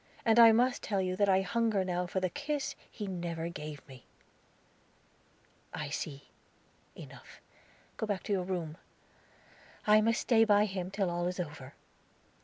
And I must tell you that I hunger now for the kiss he never gave me." "I see. Enough. Go back to your room. I must stay by him till all is over."